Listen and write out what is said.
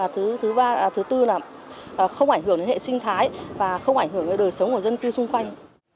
thứ tư là không ảnh hưởng đến hệ sinh thái và không ảnh hưởng đến đời sống của dân cư xung quanh